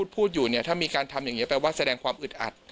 พูดอยู่เนี่ยถ้ามีการทำอย่างนี้แปลว่าแสดงความอึดอัด